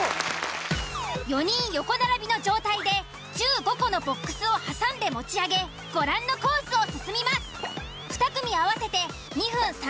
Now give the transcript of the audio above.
４人横並びの状態で１５個のボックスを挟んで持ち上げご覧のコースを進みます。